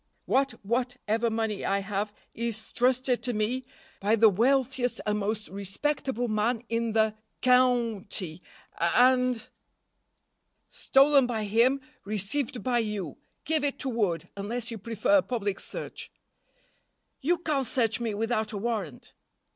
"What what ever money I have is trusted to me by the wealthiest and most respectable man in the cou nty, and " "Stolen by him, received by you! Give it to Wood, unless you prefer a public search." "You can't search me without a warrant."